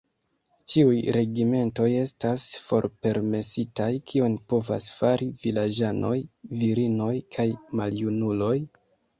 Ĉiuj regimentoj estas forpermesitaj, kion povas fari vilaĝanoj, virinoj kaj maljunuloj?